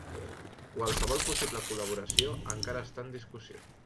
Qualsevol possible col·laboració encara està en discussió.